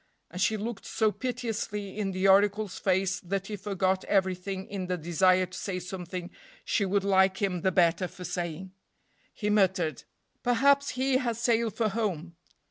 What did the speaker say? And she looked so piteously in the oracle's face that he forgot everything in the desire to say something she would like him the better for saying; he muttered, "Perhaps he has sailed for home."